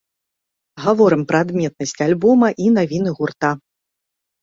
Гаворым пра адметнасць альбома і навіны гурта.